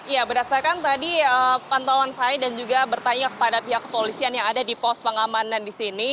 ya berdasarkan tadi pantauan saya dan juga bertanya kepada pihak kepolisian yang ada di pos pengamanan di sini